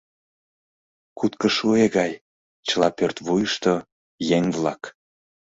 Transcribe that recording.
Куткышуэ гай: чыла пӧрт вуйышто — еҥ-влак.